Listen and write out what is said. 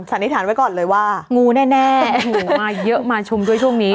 สันนิษฐานไว้ก่อนเลยว่างูแน่มาเยอะมาชุมด้วยช่วงนี้